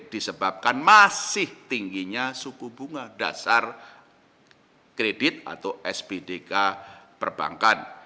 disebabkan masih tingginya suku bunga dasar kredit atau spdk perbankan